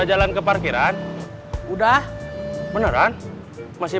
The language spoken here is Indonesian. b ragel enak yang tertentu yang waktu itu